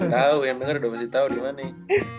tau yang denger udah pasti tau dimana nih